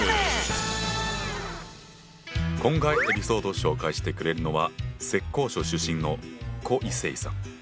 今回エピソードを紹介してくれるのは浙江省出身の胡怡晟さん。